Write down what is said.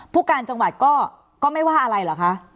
ผู้การจังหวัดก็ไม่ว่าอะไรเหรอคะ